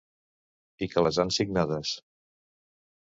I que les han signades.